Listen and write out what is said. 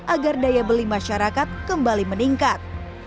agar daya beli masyarakat kembali meningkat